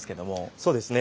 そうですね。